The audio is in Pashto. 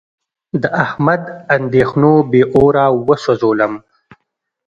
د احمد اندېښنو بې اوره و سوزولم.